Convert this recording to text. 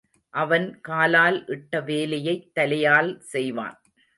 அவன் காலால் இட்ட வேலையைத் தலையால் செய்வான்.